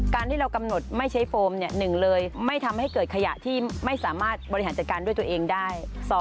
การที่เรากำหนดไม่ใช้โฟม๑เลยไม่ทำให้เกิดขยะที่ไม่สามารถบริหารจัดการด้วยตัวเองได้